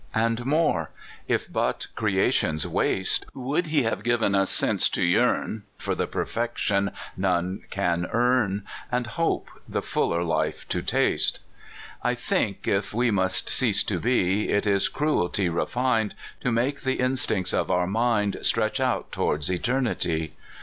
And more: if but creation's waste, Would he have given us sense to yearn For the perfection none can earn, And hope the fuller life to taste? I think, if we must cease to be, It is cruelty refined To make the instincts of our mind Stretch out toward eternity.